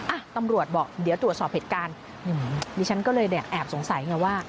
อ่ะตำรวจบอกเดี๋ยวตรวจสอบเหตุการณ์ดิฉันก็เลยเนี่ยแอบสงสัยไงว่า